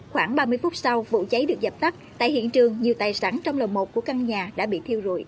khoảng ba mươi phút sau vụ cháy được dập tắt tại hiện trường nhiều tài sản trong lần một của căn nhà đã bị thiêu rụi